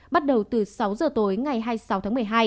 bắt đầu từ sáu giờ tối ngày hai mươi sáu tháng một mươi hai